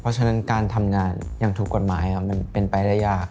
เพราะฉะนั้นการทำงานอย่างถูกกฎหมายมันเป็นไปได้ยาก